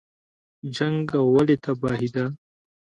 جنګ ولې تباهي ده؟